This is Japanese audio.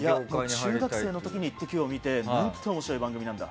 中学生の時に「イッテＱ！」を見て何て面白い番組なんだ